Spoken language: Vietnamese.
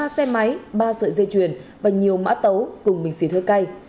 một mươi ba xe máy ba sợi dây chuyền và nhiều mã tấu cùng bình xì thơi cay